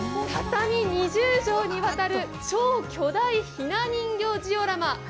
畳２０畳にわたる、超巨大ひな人形ジオラマ。